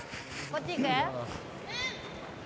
こっち行く？